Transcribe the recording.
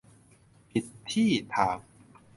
ผิดที่ทาง